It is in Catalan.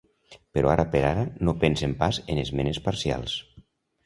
Però ara per ara no pensen pas en esmenes parcials.